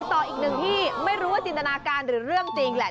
ต่ออีกหนึ่งที่ไม่รู้ว่าจินตนาการหรือเรื่องจริงแหละ